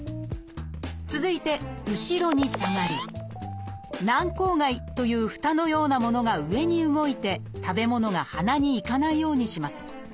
続いて後ろに下がり「軟口蓋」というふたのようなものが上に動いて食べ物が鼻に行かないようにします。